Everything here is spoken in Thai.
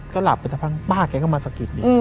ก็หลับไปป้าแกก็มาสะกิด